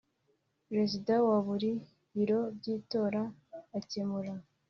Perezida wa buri biro by itora akemura